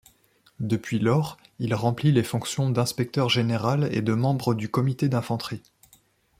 Depuis lors, il remplit les fonctions d'inspecteur général et de membre du comité d'infanterie.